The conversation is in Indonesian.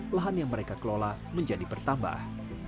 lahan yang mereka kelola menjadi bertambah